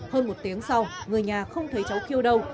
hơn một tiếng sau người nhà không thấy cháu kêu đâu